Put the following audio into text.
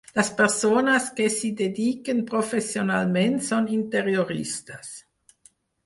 Les persones que s'hi dediquen professionalment són interioristes.